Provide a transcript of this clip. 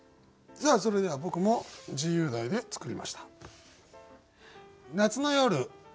それでは僕も自由題で作りました。